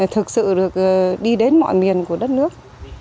thực sự được đi đến mọi miền của đất nước